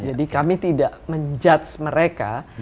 kami tidak menjudge mereka